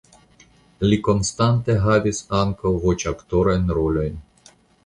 Li konstante havis ankaŭ voĉaktorajn rolojn.